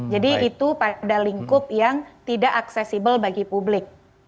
jadi itu pada lingkup yang tidak aksesibel bagi publik